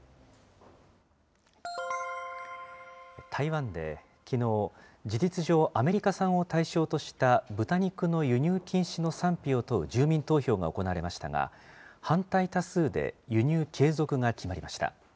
台湾で、きのう、事実上、アメリカ産を対象とした豚肉の輸入禁止の賛否を問う住民投票が行われましたが、反対多数で輸入継続が決まりました。